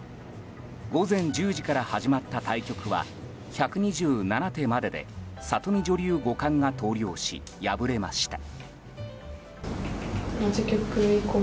午前１０時から始まった対局は１２７手までで里見女流五冠が投了し敗れました。